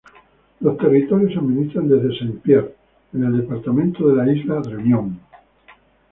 Los territorios se administran desde Saint Pierre, en el departamento de la isla Reunión.